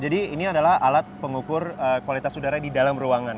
jadi ini adalah alat pengukur kualitas udara di dalam ruangan